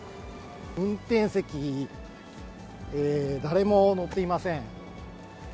運転席、誰も乗っていません。